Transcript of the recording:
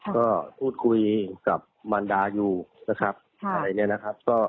ก็พูดคุยกับมันดาอยู่นะครับ